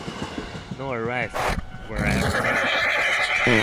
No arrests were ever made.